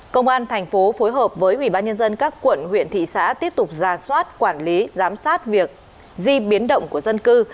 công an thành phố phối hợp với ubnd các quận huyện thị xã tiếp tục ra soát quản lý giám sát việc di biến động của dân cư